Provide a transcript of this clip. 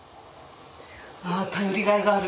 あ頼りがいがある。